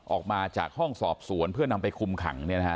ออกมาจากห้องสอบสวนเพื่อนนำไปคุมขังเนี่ยนะฮะ